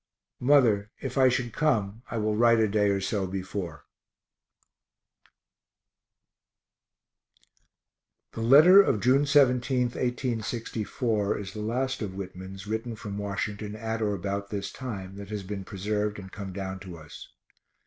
Mother, if I should come I will write a day or so before. _The letter of June 17, 1864, is the last of Whitman's, written from Washington at or about this time, that has been preserved and come down to us.